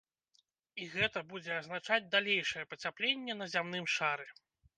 І гэта будзе азначаць далейшае пацяпленне на зямным шары.